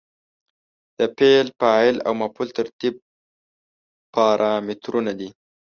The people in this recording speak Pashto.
د فعل، فاعل او مفعول ترتیب پارامترونه دي.